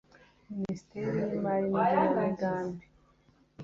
minisiteri y’imari n’igenamigambi